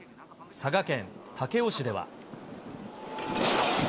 佐賀県武雄市では。